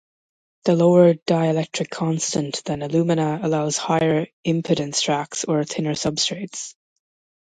The lower dielectric constant than alumina allows higher impedance tracks or thinner substrates.